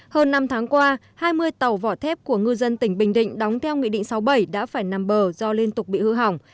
hơn năm tháng qua hai mươi tàu vỏ thép của ngư dân tỉnh bình định đóng theo nghị định sáu mươi bảy đã phải nằm bờ do liên tục bị hư hỏng